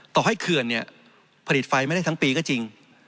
ต่อให้เขื่อนเนี่ยผลิตไฟไม่ได้ทั้งปีก็จริง